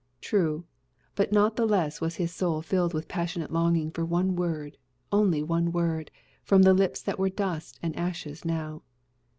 True; but not the less was his soul filled with passionate longing for one word only one word from the lips that were dust and ashes now.